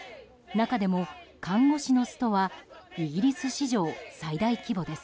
中でも看護師のストはイギリス史上最大規模です。